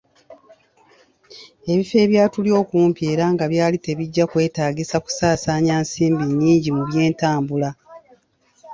Ebifo ebyali bituli okumpi era nga byali tebijja kutwetaagisa kusaasaanya nsimbi nnyingi mu by’entambula.